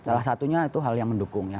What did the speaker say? salah satunya itu hal yang mendukung ya